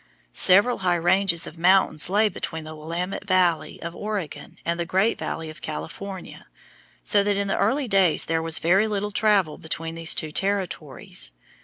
Several high ranges of mountains lay between the Willamette Valley of Oregon and the Great Valley of California, so that in the early days there was very little travel between these two territories.